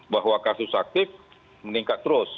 bahwa kasus aktif meningkat terus